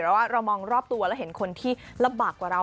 แต่ว่าเรามองรอบตัวแล้วเห็นคนที่ลำบากกว่าเรา